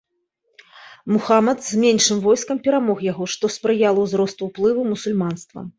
Мухамад з меншым войскам перамог яго, што спрыяла ўзросту ўплыву мусульманства.